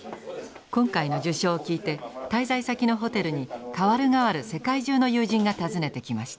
今回の受賞を聞いて滞在先のホテルに代わる代わる世界中の友人が訪ねてきました。